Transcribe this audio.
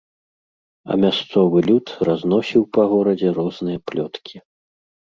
А мясцовы люд разносіў па горадзе розныя плёткі.